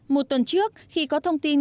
một tuần trước khi có thông tin